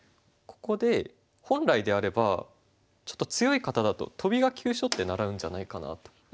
ここで本来であればちょっと強い方だとトビが急所って習うんじゃないかなと。